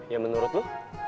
ya menurut lo